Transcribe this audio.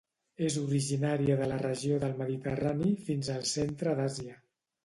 És originària de la regió del Mediterrani fins al centre d'Àsia.